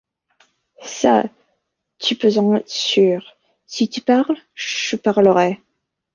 Ça, tu peux en être sûr: si tu parles, je parlerai.